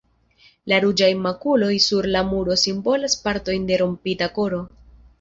La ruĝaj makuloj sur la muro simbolas partojn de rompita koro.